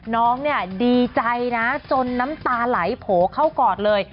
น้องดีใจจนน้ำตาไหลโผเข้ากอดเลย